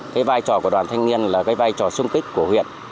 cái vai trò của đoàn thanh niên là cái vai trò sung kích của huyện